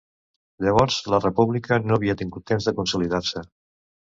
Llavors la República no havia tingut temps de consolidar-se.